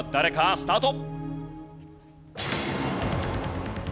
スタート！